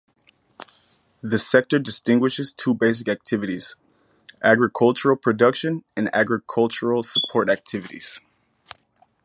The sector distinguishes two basic activities: agricultural production and agricultural support activities.